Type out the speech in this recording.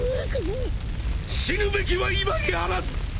死ぬべきは今にあらず！